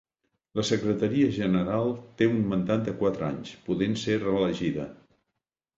La Secretaria General té un mandat de quatre anys, podent ser reelegida.